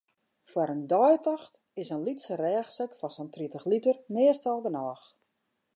Foar in deitocht is in lytse rêchsek fan sa'n tritich liter meastal genôch.